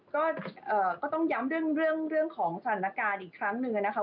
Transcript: ก็ต้องย้ำเรื่องของสถานการณ์อีกครั้งหนึ่งนะคะ